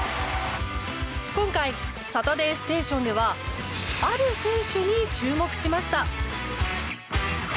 今回「サタデーステーション」はある選手に注目しました。